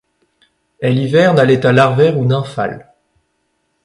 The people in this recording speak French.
Elle hiverne à l'état larvaire ou nymphal.